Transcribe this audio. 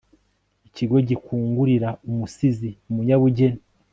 ikigo gikingurira umusizi, umunyabugeni